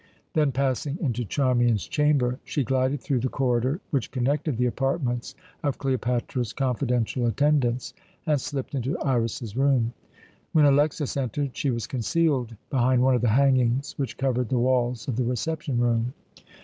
Then, passing into Charmian's chamber, she glided through the corridor which connected the apartments of Cleopatra's confidential attendants, and slipped into Iras's room. When Alexas entered she was concealed behind one of the hangings which covered the walls of the reception room.